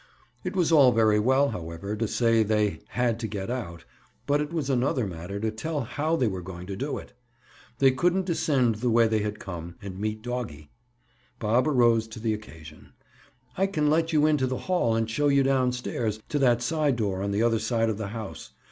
It was all very well, however, to say they "had to get out," but it was another matter to tell how they were going to do it. They couldn't descend the way they had come, and meet doggie. Bob arose to the occasion. "I can let you into the hall and show you downstairs, to that side door on the other side of the house.